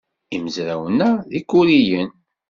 Imezrawen-a d ikuriyen.